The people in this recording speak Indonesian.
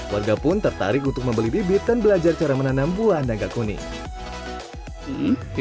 warga pun tertarik untuk membeli bibit dan belajar cara menanam buah naga kuning